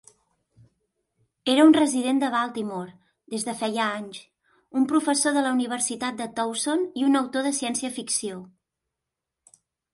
Era un resident de Baltimore des de feia anys, un professor de la Universitat de Towson i un autor de ciència ficció.